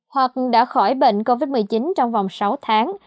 hoặc đã khỏi bệnh covid một mươi chín trong vòng sáu tháng